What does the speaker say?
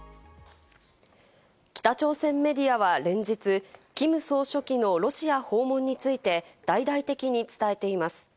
北朝鮮メディアは連日、キム総書記のロシア訪問について大々的に伝えています。